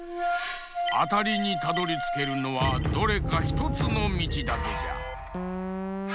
あたりにたどりつけるのはどれかひとつのみちだけじゃ。